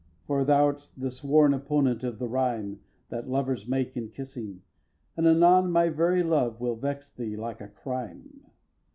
For thou'rt the sworn opponent of the rhyme That lovers make in kissing; and anon My very love will vex thee like a crime.